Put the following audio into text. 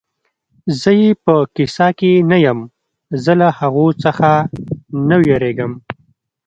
زه یې په کیسه کې نه یم، زه له هغو څخه نه وېرېږم.